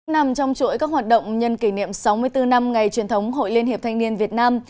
nằm trong chuỗi các hoạt động nhân kỷ niệm sáu mươi bốn năm ngày truyền thống hội liên hiệp thanh niên việt nam